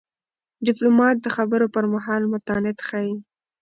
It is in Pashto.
ډيپلومات د خبرو پر مهال متانت ښيي.